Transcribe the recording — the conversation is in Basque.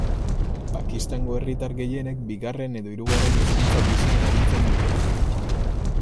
Pakistango herritar gehienek bigarren edo hirugarren hizkuntza gisa erabiltzen dute.